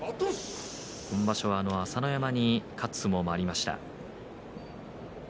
今場所は朝乃山に勝つ相撲もありました。